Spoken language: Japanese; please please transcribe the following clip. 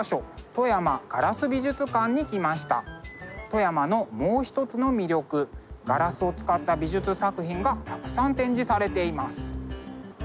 富山のもう一つの魅力ガラスを使った美術作品がたくさん展示されています。